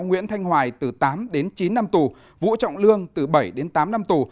nguyễn thanh hoài từ tám đến chín năm tù vũ trọng lương từ bảy đến tám năm tù